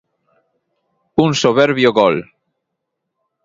Un soberbio gol.